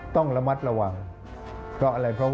ต้องระมัดระหว่างเพราะอะไร